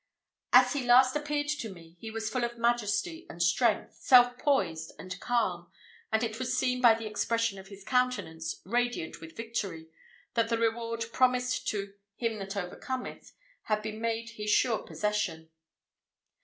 As he last appeared to me, he was full of majesty and strength, self poised and calm, and it would seem by the expression of his countenance, radiant with victory, that the reward promised to "him that overcometh," had been made his sure possession.